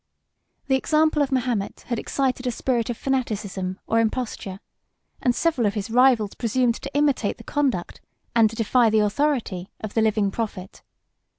The example of Mahomet had excited a spirit of fanaticism or imposture, and several of his rivals presumed to imitate the conduct, and defy the authority, of the living prophet.